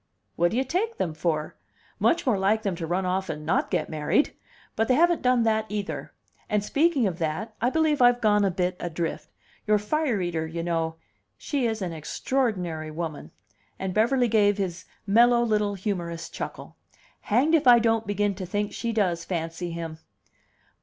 "What do you take them for? Much more like them to run off and not get married. But they haven't done that either. And, speaking of that, I believe I've gone a bit adrift. Your fire eater, you know she is an extraordinary woman!" And Beverly gave his mellow, little humorous chuckle. "Hanged if I don't begin to think she does fancy him."